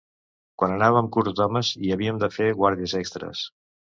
Quan anàvem curts d'homes i havíem de fer guàrdies extres;